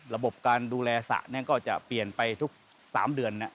ระบบการดูแลสระก็จะเปลี่ยนไปทุก๓เดือน